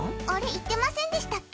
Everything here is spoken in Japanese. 言ってませんでしたっけ。